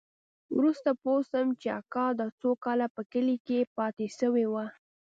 وروسته پوه سوم چې اکا دا څو کاله په کلي کښې پاته سوى و.